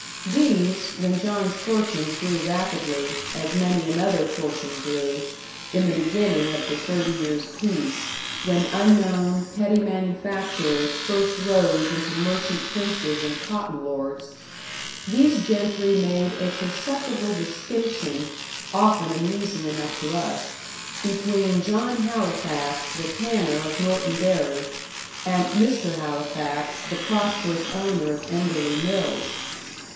These, when John's fortunes grew rapidly as many another fortune grew, in the beginning of the thirty years' peace, when unknown, petty manufacturers first rose into merchant princes and cotton lords these gentry made a perceptible distinction, often amusing enough to us, between John Halifax, the tanner of Norton Bury, and Mr. Halifax, the prosperous owner of Enderley Mills.